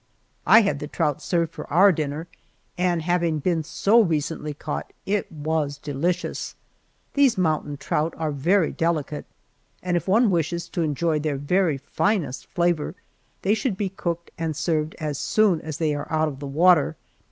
I had the trout served for our dinner, and, having been so recently caught, it was delicious. These mountain trout are very delicate, and if one wishes to enjoy their very finest flavor, they should be cooked and served as soon as they are out of the water.